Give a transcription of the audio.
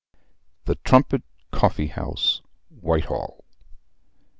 "THE TRUMPET COFFEE HOUSE, WHITEHALL.